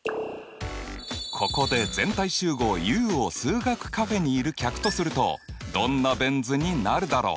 ここで全体集合Ｕを数学カフェにいる客とするとどんなベン図になるだろう？